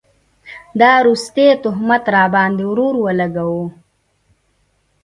دا وروستی تهمت راباند ې ورور اولګوو